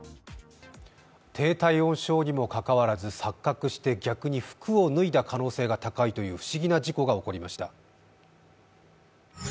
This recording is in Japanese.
低体温症にもかかわらず錯覚して逆に服を脱いだ可能性が高いという不思議な事故が起きました。